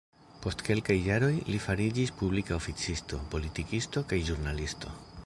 Post kelkaj jaroj, li fariĝis publika oficisto, politikisto kaj ĵurnalisto.